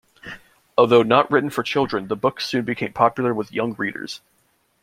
Although not written for children, the book soon became popular with young readers.